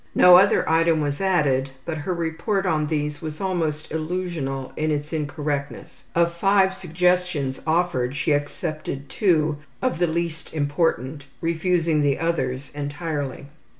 No other item was added, but her report on these was almost illusional in its incorrectness. Of 5 suggestions offered she accepted 2 of the least important, refusing the others entirely.